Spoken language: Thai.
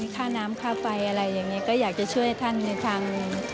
ค่าน้ำค่าไฟอะไรอย่างนี้ก็อยากจะช่วยท่านในทาง